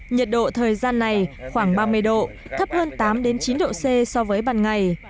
nhật độ thời gian này khoảng ba mươi độ thấp hơn tám chín độ c so với bằng ngày